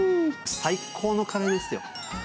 最高のカレーですよ。